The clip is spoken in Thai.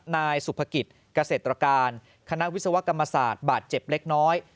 นายสุภกิจเกษตรการคณะวิศวกรรมศาสตร์บาดเจ็บเล็กน้อย